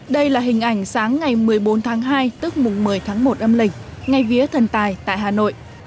đây là hình ảnh sáng ngày một mươi bốn tháng hai tức mùng một mươi tháng một âm lịch ngay vía thần tài tại hà nội